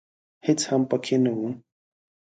هېڅ هم پکښې نه و .